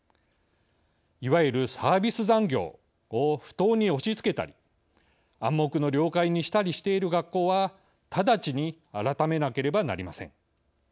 いわゆるサービス残業を不当に押しつけたり暗黙の了解にしたりしている学校は直ちに改めなければなりません。